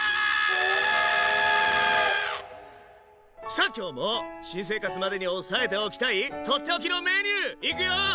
さあ今日も新生活までに押さえておきたい取って置きのメニューいくよ！